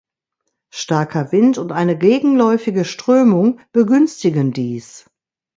Starker Wind und eine gegenläufige Strömung begünstigen dies.